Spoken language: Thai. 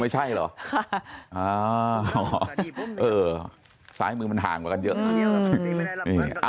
ไม่ใช่เหรอซ้ายมือมันห่างกว่ากันเยอะ